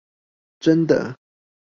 真的！